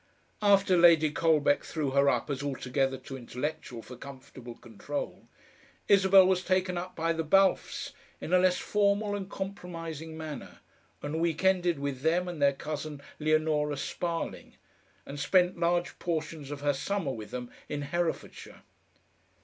After Lady Colbeck threw her up as altogether too "intellectual" for comfortable control, Isabel was taken up by the Balfes in a less formal and compromising manner, and week ended with them and their cousin Leonora Sparling, and spent large portions of her summer with them in Herefordshire.